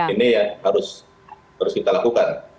ini harus kita lakukan